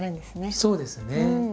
そうですね。